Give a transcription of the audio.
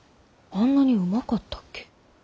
あんなにうまかったっけ？